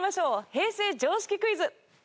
平成常識クイズ。